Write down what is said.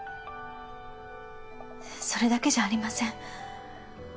それだけじゃありません。